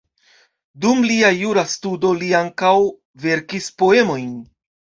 Dum lia jura studo li ankaŭ verkis poemojn.